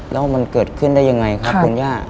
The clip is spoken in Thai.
แล้วมันเกิดขึ้นได้ยังไงครับคุณย่า